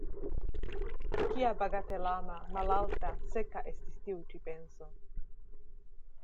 Kia bagatelama, malalta, seka estis tiu ĉi penso!